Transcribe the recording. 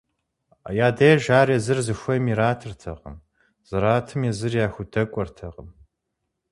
Я деж ар езыр зыхуейм иратыртэкъым, зратым езыр яхудэкӏуэртэкъым.